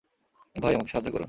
ভাই, আমাকে সাহায্য করুন।